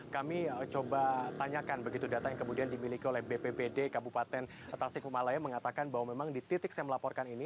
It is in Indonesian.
kami coba tanyakan begitu data yang kemudian dimiliki oleh bpbd kabupaten tasikmalaya mengatakan bahwa memang di titik saya melaporkan ini